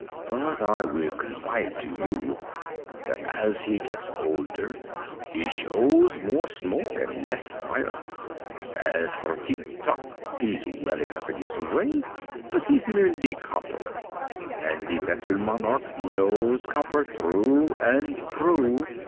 But I will confide to you that as he gets older he shows more smoke and less fire. As for Tik Tok, he's well enough in his way, but he's merely copper. And the Metal Monarch knows copper through and through.